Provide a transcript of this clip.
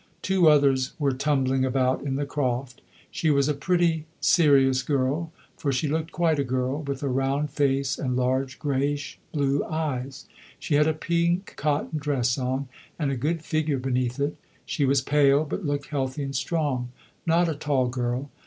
Two others were tumbling about in the croft. She was a pretty, serious girl for she looked quite a girl with a round face and large greyish blue eyes. She had a pink cotton dress on, and a good figure beneath it. She was pale, but looked healthy and strong. Not a tall girl.